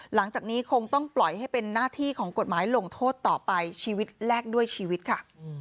หลังจากนี้คงต้องปล่อยให้เป็นหน้าที่ของกฎหมายลงโทษต่อไปชีวิตแลกด้วยชีวิตค่ะ